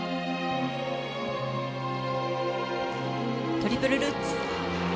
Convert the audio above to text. トリプルルッツ。